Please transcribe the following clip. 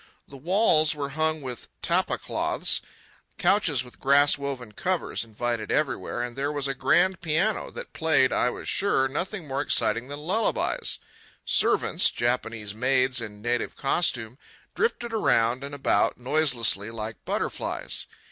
The walls were hung with tapa cloths. Couches with grass woven covers invited everywhere, and there was a grand piano, that played, I was sure, nothing more exciting than lullabies. Servants—Japanese maids in native costume—drifted around and about, noiselessly, like butterflies.